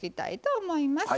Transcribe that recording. はい。